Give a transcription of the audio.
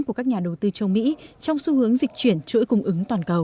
của các nhà đầu tư châu mỹ trong xu hướng dịch chuyển chuỗi cung ứng toàn cầu